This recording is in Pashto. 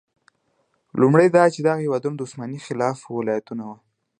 لومړی دا چې دغه هېوادونه د عثماني خلافت ولایتونه وو.